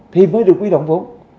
thì mới được quy đồng vốn